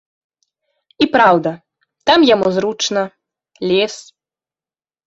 І праўда, там яму зручна, лес.